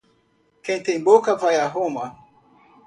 Quem tem boca, vaia Roma